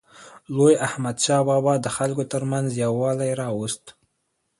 لوی احمدشاه بابا د خلکو ترمنځ یووالی راوست.